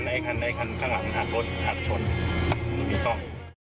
บิ๊ก้อง